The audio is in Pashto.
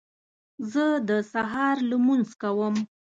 زه د سهار لمونځ کوم